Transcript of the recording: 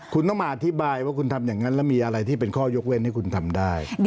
คุณต้องมาอธิบายว่าคุณทำอย่างนั้นแล้วมีอะไรที่เป็นข้อยกเว้นให้คุณทำได้